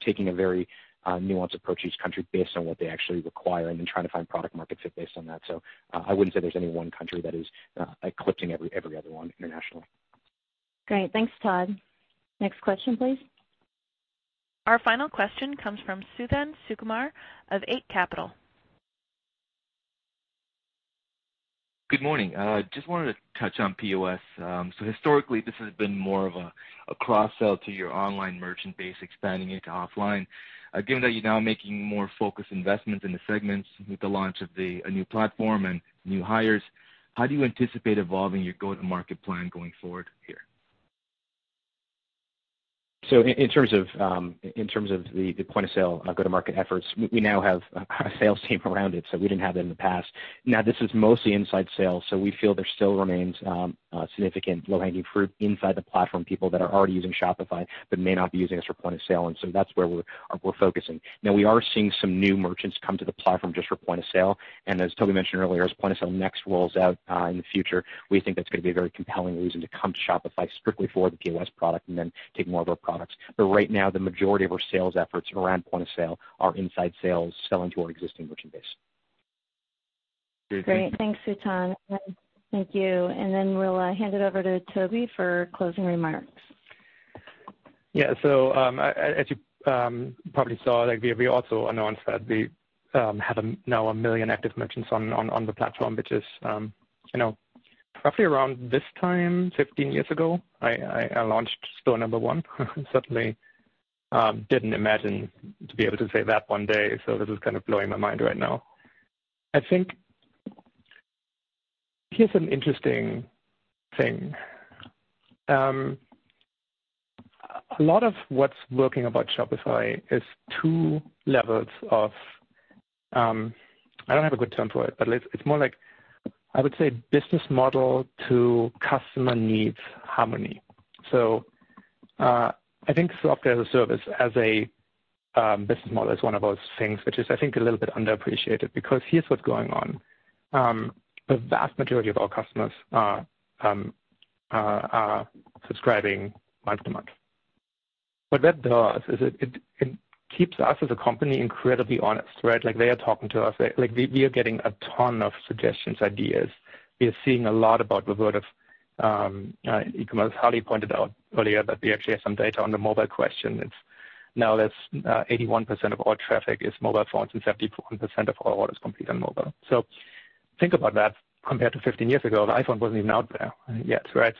taking a very nuanced approach to each country based on what they actually require and then trying to find product market fit based on that. I wouldn't say there's any one country that is eclipsing every other one internationally. Great. Thanks, Todd. Next question, please. Our final question comes from Suthan Sukumar of Eight Capital. Good morning. Just wanted to touch on POS. Historically, this has been more of a cross-sell to your online merchant base, expanding it to offline. Given that you're now making more focused investments in the segments with the launch of the new platform and new hires, how do you anticipate evolving your go-to-market plan going forward here? In terms of, in terms of the point-of-sale, go-to-market efforts, we now have a sales team around it. This is mostly inside sales, so we feel there still remains significant low-hanging fruit inside the platform, people that are already using Shopify but may not be using us for point of sale, and so that's where we're focusing. As Tobi mentioned earlier, as point of sale next rolls out in the future, we think that's gonna be a very compelling reason to come to Shopify strictly for the POS product and then take more of our products. Right now, the majority of our sales efforts around point of sale are inside sales selling to our existing merchant base. Great. Great. Thanks, Suthan. Thank you. Then we'll hand it over to Tobi Lütke for closing remarks. Yeah. As you probably saw, like we also announced that we have now 1 million active merchants on the platform, which is, you know, roughly around this time 15 years ago, I launched store number one. Certainly, didn't imagine to be able to say that one day, this is kind of blowing my mind right now. I think here's an interesting thing. A lot of what's working about Shopify is two levels of, I don't have a good term for it, but it's more like, I would say business model to customer needs harmony. I think Software as a Service, as a business model is one of those things which is, I think, a little bit underappreciated because here's what's going on. The vast majority of our customers are subscribing month to month. What that does is it keeps us as a company incredibly honest, right? Like, they are talking to us. Like, we are getting a ton of suggestions, ideas. We are seeing a lot about the world of e-commerce. Harley pointed out earlier that we actually have some data on the mobile question. It's now that's 81% of all traffic is mobile phones and 74% of all orders complete on mobile. Think about that compared to 15 years ago. The iPhone wasn't even out there yet, right?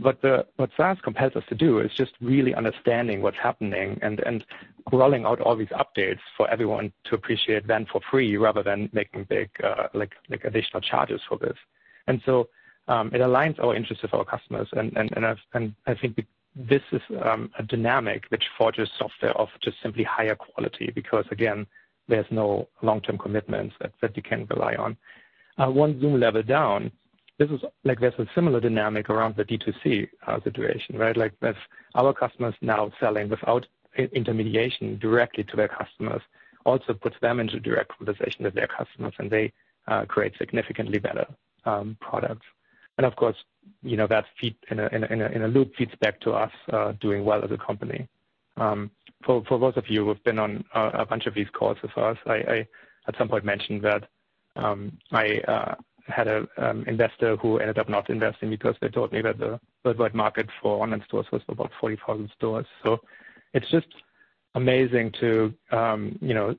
What SaaS compels us to do is just really understanding what's happening and rolling out all these updates for everyone to appreciate them for free rather than making big, like additional charges for this. It aligns our interests with our customers, and I think this is a dynamic which forges software of just simply higher quality because, again, there's no long-term commitments that you can rely on. One zoom level down, there's a similar dynamic around the D2C situation, right? There's our customers now selling without intermediation directly to their customers also puts them into direct conversation with their customers, and they create significantly better products. That feed in a loop feeds back to us doing well as a company. For, for those of you who've been on a bunch of these calls with us, I at some point mentioned that I had a investor who ended up not investing because they told me that the worldwide market for online stores was about 40,000 stores. It's just amazing to, you know,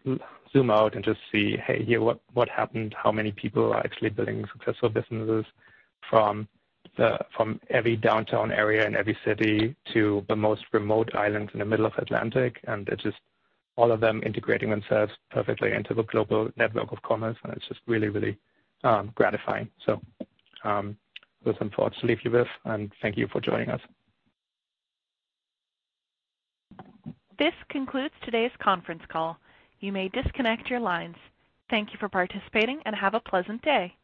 zoom out and just see, hey, here what happened, how many people are actually building successful businesses from the, from every downtown area in every city to the most remote islands in the middle of Atlantic, and it's just all of them integrating themselves perfectly into the global network of commerce, and it's just really, really gratifying. Those some thoughts to leave you with, and thank you for joining us. This concludes today's conference call. You may disconnect your lines. Thank you for participating and have a pleasant day.